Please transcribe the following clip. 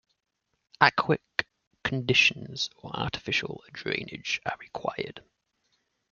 Aquic conditions or artificial drainage are required.